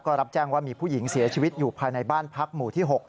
ก็รับแจ้งว่ามีผู้หญิงเสียชีวิตอยู่ภายในบ้านพักหมู่ที่๖